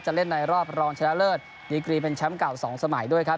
เล่นในรอบรองชนะเลิศดีกรีเป็นแชมป์เก่าสองสมัยด้วยครับ